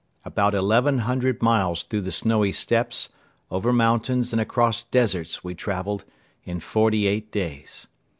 About eleven hundred miles through the snowy steppes, over mountains and across deserts we traveled in forty eight days.